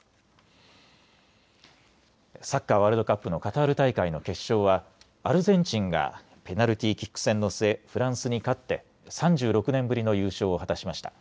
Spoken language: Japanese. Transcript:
サッカーワールドカップのカタール大会の決勝はアルゼンチンがペナルティーキック戦の末、フランスに勝って３６年ぶりの優勝を果たしました。